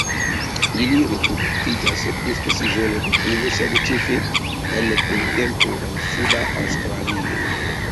Ili reproduktiĝas post sezono de pluvo sed ĉefe en printempo en Suda Aŭstralio.